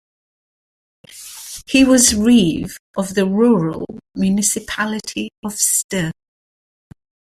He was reeve of the Rural Municipality of Ste.